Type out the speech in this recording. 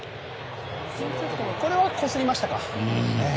これはこすりましたか。